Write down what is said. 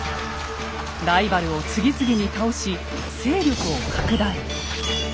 ライバルを次々に倒し勢力を拡大。